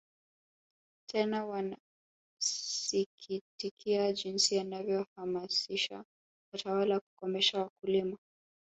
Tena wanasikitikia jinsi alivyohamasisha watawala kukomesha wakulima